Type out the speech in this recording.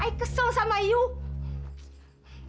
ayah kesel sama yuk